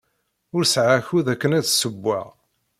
Ur sɛiɣ akud akken ad ssewweɣ.